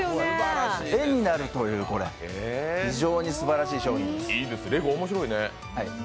絵になるという、非常にすばらしい商品です。